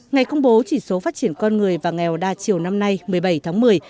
ngày công bố chỉ số phát triển con người và nghèo đa chiều năm nay một mươi bảy tháng một mươi